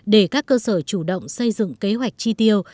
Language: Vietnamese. để các cơ sở chủ động xây dựng kế hoạch chi tiêu